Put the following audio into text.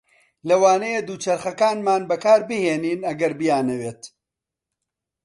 لەوانەیە دووچەرخەکانمان بەکاربهێنن ئەگەر بیانەوێت.